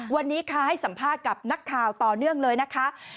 วันนี้ค่ะให้สัมภาษณ์กับนักข่าวต่อเนื่องเลยนะคะ